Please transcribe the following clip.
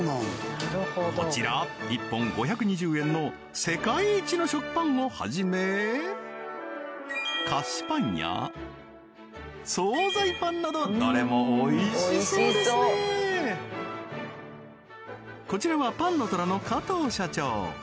こちら１本５２０円の世界一の食パンをはじめ菓子パンや総菜パンなどどれもおいしそうですねこちらはパンのトラの加藤社長